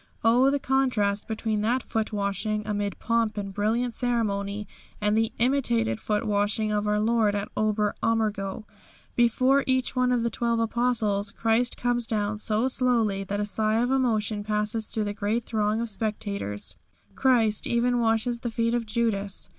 Oh, the contrast between that foot washing amid pomp and brilliant ceremony and the imitated foot washing of our Lord at Ober Ammergau. Before each one of the twelve Apostles Christ comes down so slowly that a sigh of emotion passes through the great throng of spectators. Christ even washes the feet of Judas.